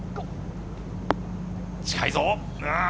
近いぞ。